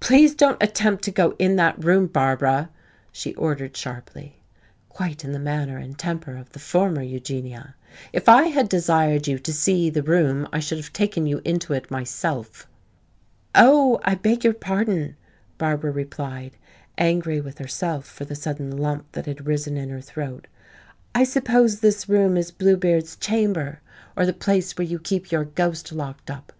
"Please don't attempt to go in that room, Barbara!" she ordered sharply, quite in the manner and temper of the former Eugenia. "If I had desired you to see the room I should have taken you into it myself." "Oh, I beg your pardon," Barbara replied, angry with herself for the sudden lump that had risen in her throat. "I suppose this room is Bluebeard's chamber, or the place where you keep your ghost locked up.